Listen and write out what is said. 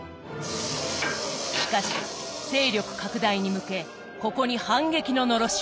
しかし勢力拡大に向けここに反撃ののろしを上げた。